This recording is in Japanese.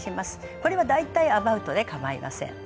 これは大体アバウトでかまいません。